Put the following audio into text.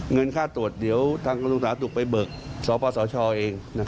เงินค่าตรวจเดี๋ยวทางกรุงศาสตร์ถูกไปเบิกสพสชเอง